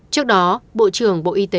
trước đó bộ trưởng bộ y tế